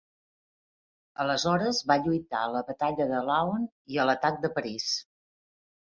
Aleshores va lluitar a la batalla de Laon i a l'atac de París.